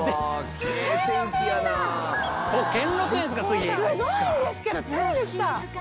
すごいんですけどチャリで来た！